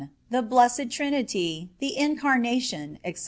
THE BLESSED TRINITY, THE INCARNATION, ETC.